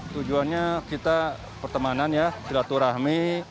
tujuannya kita pertemanan ya silaturahmi